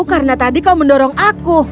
karena tadi kau mendorong aku